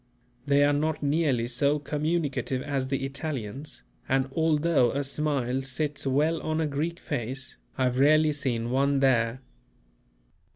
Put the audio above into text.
They are not nearly so communicative as the Italians, and although a smile sits well on a Greek face, I have rarely seen one there.